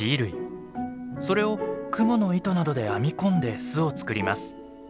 それをクモの糸などで編み込んで巣を作ります。